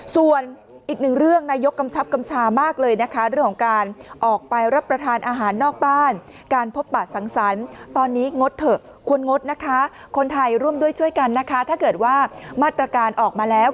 ส่วนอีกหนึ่งเรื่องในยกกำชับกำชามากเลยนะคะ